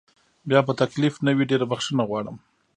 بیا به تکلیف نه وي، ډېره بخښنه غواړم.